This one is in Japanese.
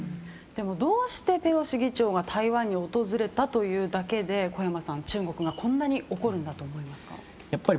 どうしてペロシ議長が台湾に訪れたというだけで小山さん、中国がこんなに怒るんだと思いますか？